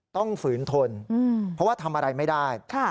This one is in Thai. ต้องฝืนทนอืมเพราะว่าทำอะไรไม่ได้ค่ะ